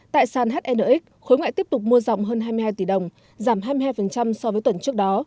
tại sàn hnx khối ngoại tiếp tục mua dòng hơn hai mươi hai tỷ đồng giảm hai mươi hai so với tuần trước đó